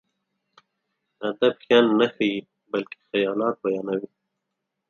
ادب شيان نه ښيي، بلکې خيالات بيانوي.